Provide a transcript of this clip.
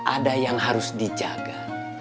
ada yang harus dijaga